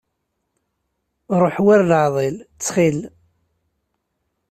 Ruḥ war leɛḍil, ttxil.